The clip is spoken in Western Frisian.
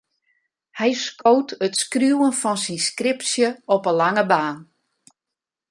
Hy skoot it skriuwen fan syn skripsje op 'e lange baan.